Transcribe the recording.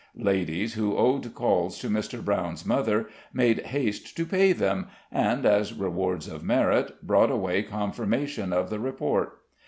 Ladies who owed calls to Mr. Brown's mother, made haste to pay them, and, as rewards of merit, brought away confirmation of the report.